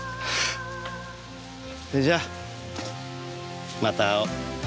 それじゃあまた会おう。